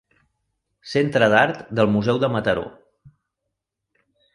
Centre d'Art del Museu de Mataró.